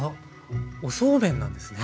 おそうめんなんですね。